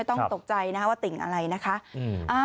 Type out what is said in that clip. ไม่ต้องตกใจว่าติ๋งอะไรนะคะ